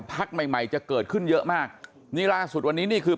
ใหม่ใหม่จะเกิดขึ้นเยอะมากนี่ล่าสุดวันนี้นี่คือ